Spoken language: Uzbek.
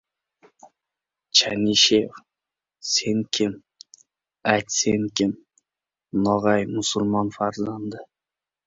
— Chanishev! Sen kim? Ayt, sen kim? No‘g‘ay musulmon farzandi.